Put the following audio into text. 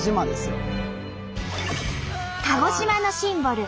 鹿児島のシンボル